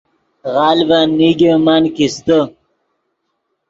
غلڤن نیگے من کیستے